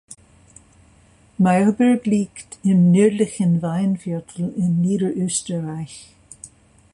Mailberg liegt im nördlichen Weinviertel in Niederösterreich.